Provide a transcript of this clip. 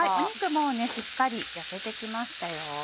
もうしっかり焼けてきましたよ。